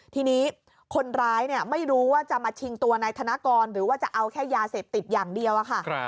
ทีนี้คนร้ายไม่รู้ว่าจะมาชิงตัวนายธนกรหรือว่าจะเอาแค่ยาเสพติดอย่างเดียวค่ะ